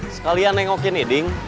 sekalian nengokin eding